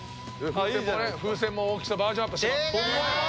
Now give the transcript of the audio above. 風船の大きさもバージョンアップしました。